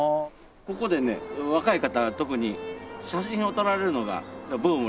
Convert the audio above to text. ここでね若い方は特に写真を撮られるのがブームらしくてですね。